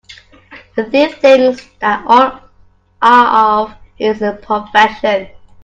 The thief thinks that all are of his profession.